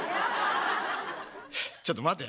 「はあちょっと待て。